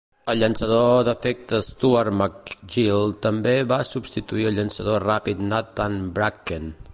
El llançador d'efecte Stuart MacGill també va substituir al llançador ràpid Nathan Bracken.